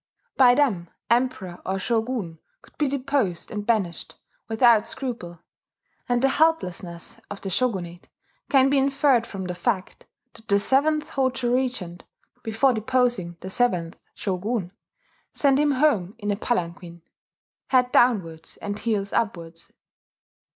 By them Emperor or shogun could be deposed and banished without scruple; and the helplessness of the shogunate can be inferred from the fact, that the seventh Hojo regent, before deposing the seventh shogun, sent him home in a palanquin, head downwards and heels upwards.